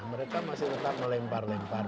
mereka masih tetap melempar lempar